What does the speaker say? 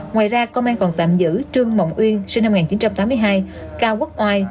ngoài ra công an còn tạm giữ trương mộng uyên sinh năm một nghìn chín trăm tám mươi hai cao quốc oai